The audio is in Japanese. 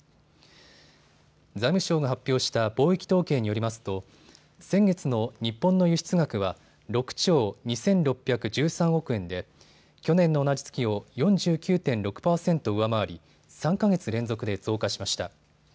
財務省が発表した貿易統計によりますと先月の日本の輸出額は６兆２６１３億円で去年の同じ月を４９．６％上回り３か月連続で増加しました。